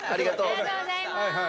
ありがとうございます。